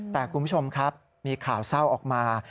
แต่คุณผู้ชมครับมีข่าวเศร้าออกมา